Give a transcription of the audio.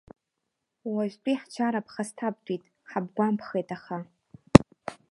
Уажәтәи ҳчара ԥхасҭабтәит, ҳабгәамԥхеит аха…